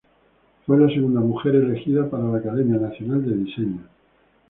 Fue la segunda mujer elegida para la Academia Nacional de Diseño.